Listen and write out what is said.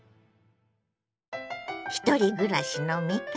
ひとり暮らしの味方